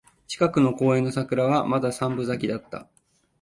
近くの公園の桜はまだ三分咲きだった